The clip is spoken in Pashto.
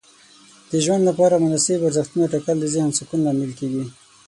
د ژوند لپاره مناسب ارزښتونه ټاکل د ذهن سکون لامل کیږي.